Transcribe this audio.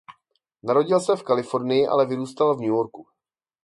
Narodil se v Kalifornii ale vyrůstal v New Yorku.